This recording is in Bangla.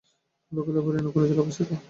পাবলাখানী অভয়ারণ্য কোন জেলায় অবস্থিত?